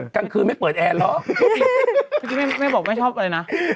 กลางคืนไม่เปิดแอร์หรอกเมื่อกี้แม่บอกไม่ชอบอะไรนะ